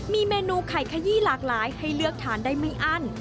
มีเมนูไข่ขยี้หลากหลายให้เลือกทานได้ไม่อั้น